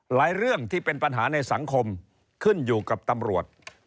เรื่องที่เป็นปัญหาในสังคมขึ้นอยู่กับตำรวจ